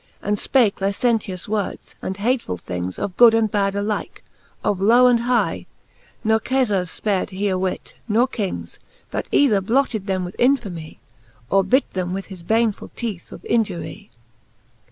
And fpake licentious words, and hatefull things Of good and bad alike, of low and hie ; Ne Kefars fpared he a whit, nor Kings, But either blotted them with infamie, Or bit them with his baneful! teeth of injury.